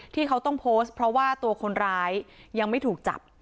ที่เขาต้องโพสต์เพราะว่าตัวคนร้ายยังไม่ถูกจับ